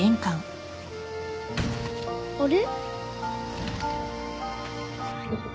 あれ？